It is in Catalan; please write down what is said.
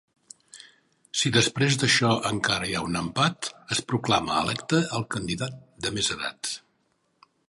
Si després d'això encara hi ha un empat, es proclama electe el candidat de més edat.